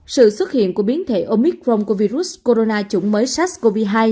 sự xuất hiện của biến thể omicron của virus corona chủng mới sars cov hai